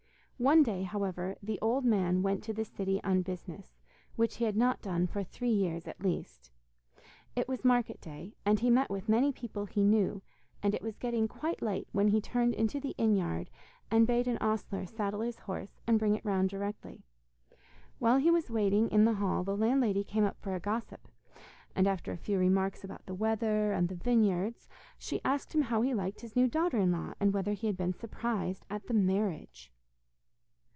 One day, however, the old man went to the city on business, which he had not done for three years at least. It was market day, and he met with many people he knew, and it was getting quite late when he turned into the inn yard, and bade an ostler saddle his horse, and bring it round directly. While he was waiting in the hall, the landlady came up for a gossip, and after a few remarks about the weather and the vineyards she asked him how he liked his new daughter in law, and whether he had been surprised at the marriage.